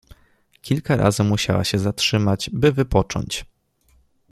Kilka razy musiała się zatrzymać, by wypocząć.